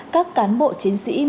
các cán bộ chiến sĩ